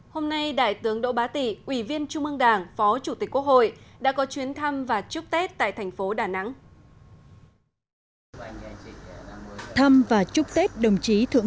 hôm nay đại tướng đỗ bá tị ủy viên trung ương đảng phó chủ tịch quốc hội đã có chuyến thăm và chúc tết tại thành phố đà nẵng